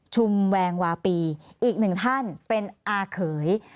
ชุมแวงวาปีอีกหนึ่งท่านเป็นอาเขย